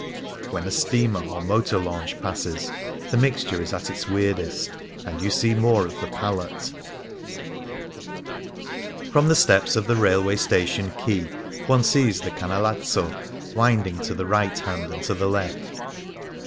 When a steamer or motor launch passes, the mixture is at its weirdest ... and you see more of the palette ! 30 :^ S s i 1 9 J3 The Grand Canal From the steps of the railway station quay one sees the Canalazzo winding to the right hand and to the left.